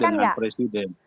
berdiskusi dengan presiden